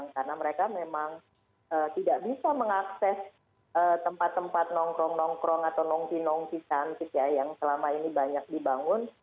karena mereka memang tidak bisa mengakses tempat tempat nongkrong nongkrong atau nongki nongki cantik yang selama ini banyak dibangun